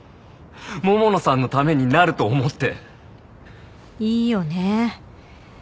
桃野さんのためになると思って。